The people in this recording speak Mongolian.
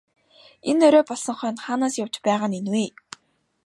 Энэ орой болсон хойно хаанаас явж байгаа нь энэ вэ?